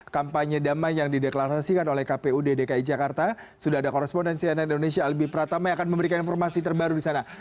kampanye damai yang dideklarasikan oleh kpu dki jakarta sudah ada korespondensi ann indonesia albi pratama yang akan memberikan informasi terbaru di sana